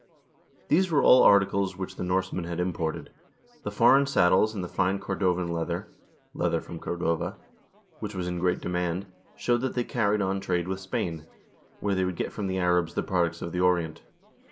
1 These were all articles which the Norsemen had imported. The foreign saddles and the fine Cordovan leather (leather from Cordova), which was in great demand, show that they carried on trade with Spain, where they would get from the Arabs the products of the Orient.